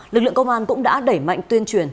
lực lượng công an cũng đã đẩy mạnh tuyên truyền